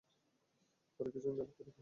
তারা কিছুদিন যাবত এরূপ করল।